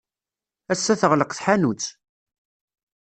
Ass-a teɣleq tḥanut.